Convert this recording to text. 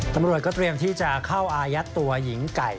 ตำรวจก็เตรียมที่จะเข้าอายัดตัวหญิงไก่